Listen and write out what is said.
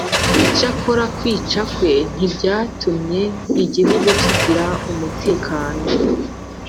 icyakora kwicwa kwe ntibyatumye igihugu kigira umutekano